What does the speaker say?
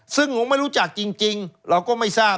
ซึ่งผมไม่รู้จักจริงเราก็ไม่ทราบ